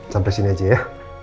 sampai sini aja ya